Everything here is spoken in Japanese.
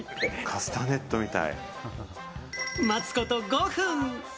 待つこと５分。